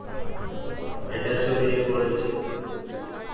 এটা ছড়িয়ে পড়ছে।